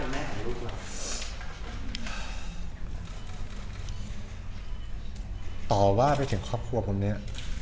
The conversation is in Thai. ต่อแม่ไปถึงครอบครัวผมเนี่ย